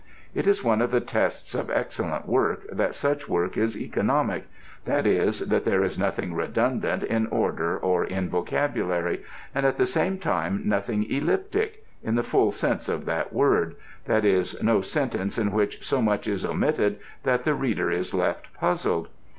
It is one of the tests of excellent work that such work is economic, that is, that there is nothing redundant in order or in vocabulary, and at the same time nothing elliptic in the full sense of that word: that is, no sentence in which so much is omitted that the reader is left puzzled.